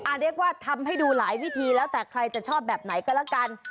เรียกว่าทำให้ดูหลายวิธีแล้วแต่ใครจะชอบแบบไหนก็แล้วกัน